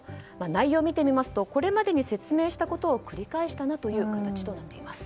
内容を見てみますとこれまでに説明したことを繰り返したなという感じです。